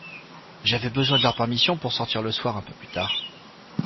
J’avais besoin de leur permission pour sortir le soir un peu plus tard.